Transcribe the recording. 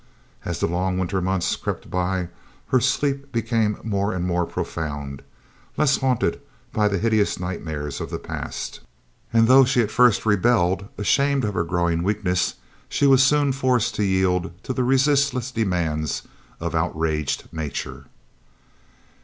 As the long winter months crept by, her sleep became more and more profound, less haunted by the hideous nightmares of the past, and though she at first rebelled, ashamed of her growing weakness, she was soon forced to yield to the resistless demands of outraged nature.